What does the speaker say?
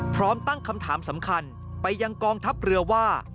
พร้อมตั้งคำถามสำคัญไปยังกองทัพเรือว่า